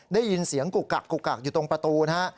ได้ยินเสียงกุกกักกุกกักอยู่ตรงประตูนะฮะ